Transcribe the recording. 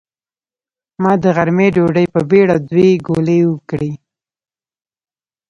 ما د غرمۍ ډوډۍ په بېړه دوې ګولې وکړې.